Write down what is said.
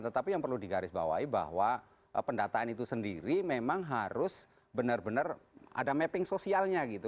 tetapi yang perlu digarisbawahi bahwa pendataan itu sendiri memang harus benar benar ada mapping sosialnya gitu